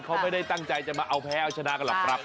เขาไม่ได้ตั้งใจจะมาเอาแพ้เอาชนะกันหรอกครับ